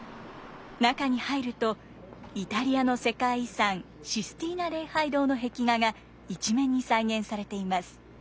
中に入るとイタリアの世界遺産システィーナ礼拝堂の壁画が一面に再現されています。